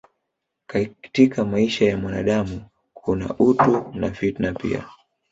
Katika maisha ya mwanadamu kuna utu na fitna pia